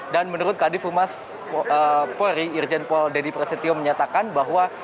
dan menurut kadif rumahs pori irjen pol deni prasetyo menyatakan bahwa